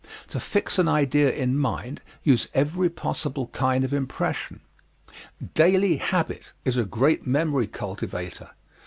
To fix an idea in mind, use every possible kind of impression. Daily habit is a great memory cultivator.